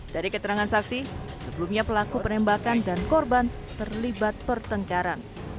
dari keterangan saksi sebelumnya pelaku penembakan dan korban terlibat pertengkaran